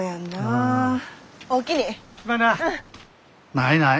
ないない。